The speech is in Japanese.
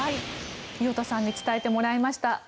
伊與田さんに伝えてもらいました。